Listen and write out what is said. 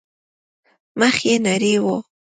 مخ يې نرى و.